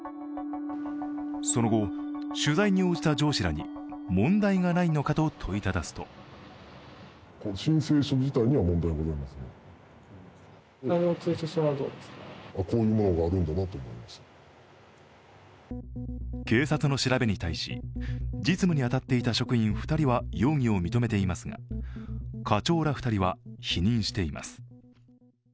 その後、取材に応じた上司らに問題がないのかと問いただすと警察の調べに対し、実務に当たっていた職員２人は容疑を認めていますが、課長ら２人は否認しています。